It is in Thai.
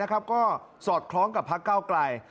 ก็สอดคล้องกับพักเก้าไกล